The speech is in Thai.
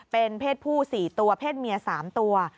เป็นเพศผู้๔ตัวเพศเมีย๓ตัว